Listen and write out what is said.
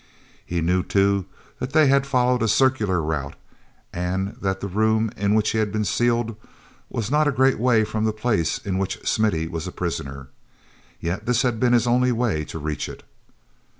He knew, too, that they had followed a circular route, and that the room in which he had been sealed was not a great way from the place in which Smithy was a prisoner. Yet this had been his only way to reach it.